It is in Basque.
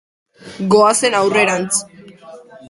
Goazen aurrerantz.